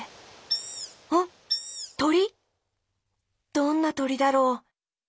どんなとりだろう？